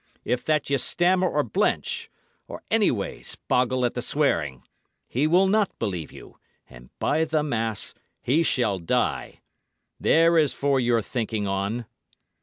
If that ye stammer or blench, or anyways boggle at the swearing, he will not believe you; and by the mass, he shall die. There is for your thinking on."